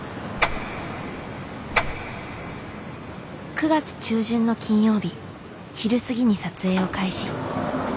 ９月中旬の金曜日昼過ぎに撮影を開始。